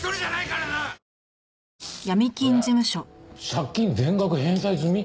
借金全額返済済み？